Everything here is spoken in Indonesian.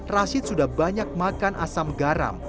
rashid sudah banyak makan asam garam